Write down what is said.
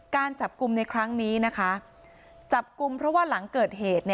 การจับกลุ่มในครั้งนี้นะคะจับกลุ่มเพราะว่าหลังเกิดเหตุ